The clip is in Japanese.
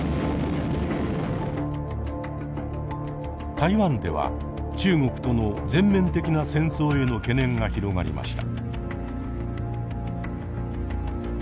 台湾では中国との全面的な戦争への懸念が広がりました。